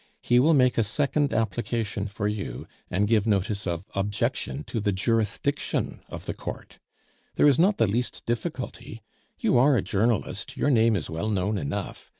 He will make a second application for you, and give notice of objection to the jurisdiction of the court. There is not the least difficulty; you are a journalist, your name is well known enough.